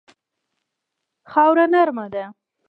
خاوره نرمه ده.